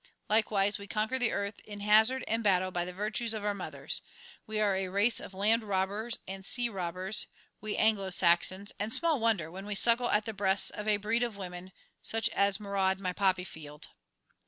Likewise, we conquer the earth in hazard and battle by the virtues of our mothers. We are a race of land robbers and sea robbers, we Anglo Saxons, and small wonder, when we suckle at the breasts of a breed of women such as maraud my poppy field.